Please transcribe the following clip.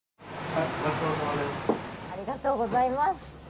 ありがとうございます。